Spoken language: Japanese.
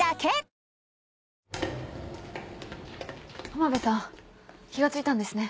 濱辺さん気が付いたんですね。